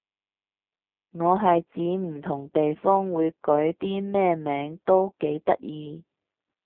我係指唔同地方會改啲咩名都幾得意